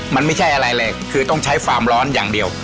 มันไม่ใช่อะไรเลยคือต้องใช้ความร้อนอย่างเดียว